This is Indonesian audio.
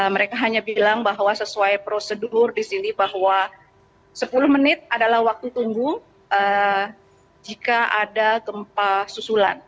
mereka hanya bilang bahwa sesuai prosedur di sini bahwa sepuluh menit adalah waktu tunggu jika ada gempa susulan